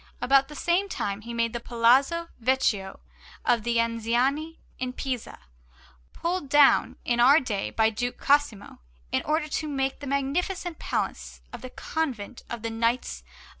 About the same time he made the Palazzo Vecchio of the Anziani in Pisa, pulled down in our day by Duke Cosimo, in order to make the magnificent Palace and Convent of the Knights of S.